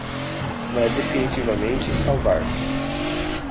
Vai definitivamente salvar